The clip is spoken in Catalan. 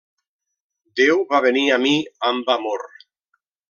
Déu va venir a mi amb amor.